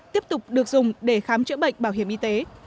tiếp tục được dùng để khám chữa bệnh bảo hiểm y tế